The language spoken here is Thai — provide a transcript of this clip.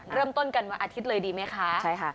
เริ่มต้นกันวันอาทิตย์เลยดีไหมคะใช่ค่ะ